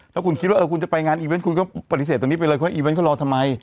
แล้วคุณคิดว่าคุณจะไปงานอีเวนต์คุณก็ปฏิเสธตรงนี้ไปเลยว่าอีเวนต์เขารอทำไม